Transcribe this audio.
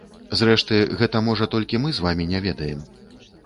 Зрэшты, гэта, можа, толькі мы з вамі не ведаем?